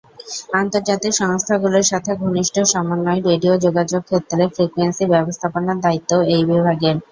আন্তর্জাতিক সংস্থাগুলোর সাথে ঘনিষ্ঠ সমন্বয়ে রেডিও যোগাযোগ ক্ষেত্রে ফ্রিকোয়েন্সি ব্যবস্থাপনার দায়িত্বও এই বিভাগের।